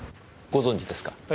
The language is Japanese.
ご存じですか？